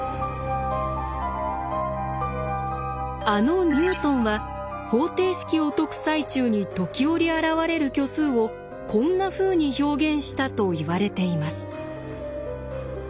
あのニュートンは方程式を解く最中に時折現れる虚数をこんなふうに表現したといわれています。